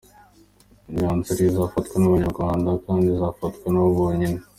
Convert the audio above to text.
Imyanzuro izafatwa n’Abanyarwanda kandi izafatwa nabo bonyine.